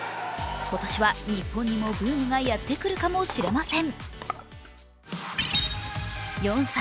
今年は日本にもブームがやってくるかもしれません。